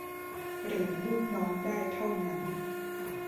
หรือลูกน้องได้เท่านั้น